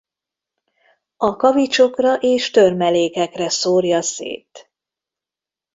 A kavicsokra és törmelékekre szórja szét.